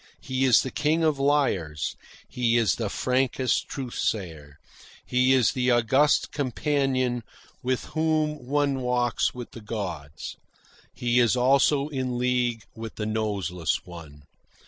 He is the king of liars. He is the frankest truthsayer. He is the august companion with whom one walks with the gods. He is also in league with the Noseless One.